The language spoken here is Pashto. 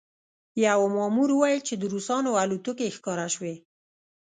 یوه مامور وویل چې د روسانو الوتکې ښکاره شوې